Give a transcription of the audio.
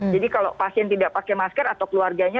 jadi kalau pasien tidak pakai masker atau keluarganya